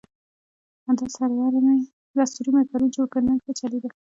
دا سرور مې پرون جوړ کړ، نن ښه چلېده.